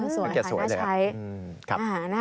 สวยค่ะน่าใช้อืมครับอาหารนะครับ